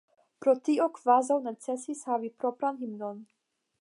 Pro tio kvazaŭ necesis havi propran himnon.